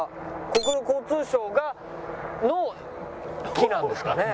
国土交通省の木なんですかね？